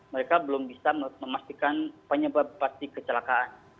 mereka belum bisa memastikan penyebab pasti kecelakaan